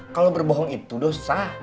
kalo berbohong itu dosa